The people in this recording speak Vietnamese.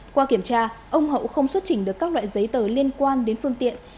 qua kiểm tra ông hậu không xuất trình được các loại giấy tờ liên quan đến phương tiện